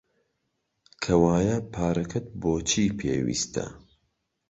کەوایە پارەکەت بۆ چی پێویستە؟